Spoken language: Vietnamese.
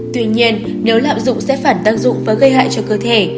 tuy nhiên nếu lạm dụng sẽ phản tác dụng và gây hại cho cơ thể